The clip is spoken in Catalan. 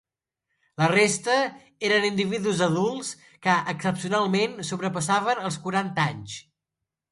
La resta eren individus adults que excepcionalment sobrepassaven els quaranta anys.